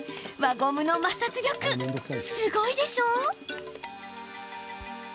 輪ゴムの摩擦力、すごいでしょ！